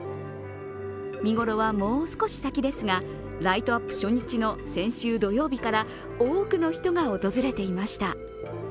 見頃はもう少し先ですが、ライトアップ初日の先週土曜日から多くの人が訪れていました。